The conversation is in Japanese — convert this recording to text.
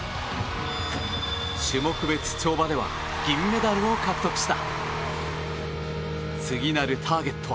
種目別、跳馬では銀メダルを獲得した。